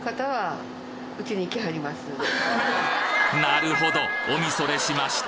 なるほど！